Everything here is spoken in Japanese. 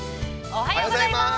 ◆おはようございます。